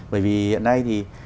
bởi vì hiện nay thì